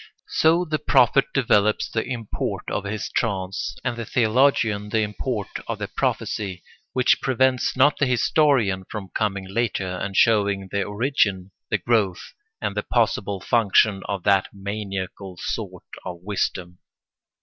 So the prophet develops the import of his trance, and the theologian the import of the prophecy: which prevents not the historian from coming later and showing the origin, the growth, and the possible function of that maniacal sort of wisdom.